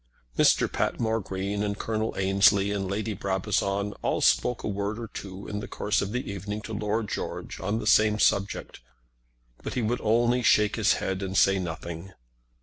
Mr. Patmore Green, and Colonel Ansley, and Lady Brabazon all spoke a word or two in the course of the evening to Lord George on the same subject, but he would only shake his head and say nothing.